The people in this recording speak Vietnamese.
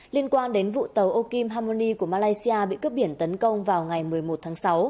liên quan đến vụ tàu okim hamoni của malaysia bị cướp biển tấn công vào ngày một mươi một tháng sáu